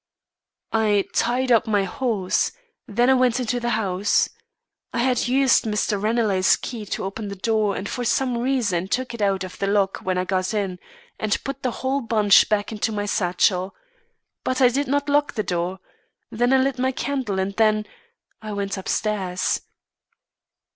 "I tied up my horse; then I went into the house. I had used Mr. Ranelagh's key to open the door and for some reason I took it out of the lock when I got in, and put the whole bunch back into my satchel. But I did not lock the door. Then I lit my candle and then I went upstairs."